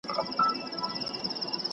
¬پياز دي وي، په نياز دي وي.